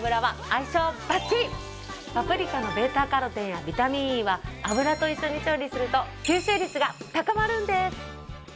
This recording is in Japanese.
パプリカのβカロテンやビタミンＥは油と一緒に調理すると吸収率が高まるんです。